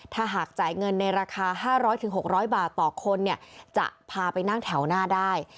ถ้าหากจ่ายเงินในราคา๕๐๐๖๐๐บาทต่อคนเนี่ยจะพาไปนั่งแถวหน้าได้